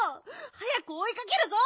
早くおいかけるぞ！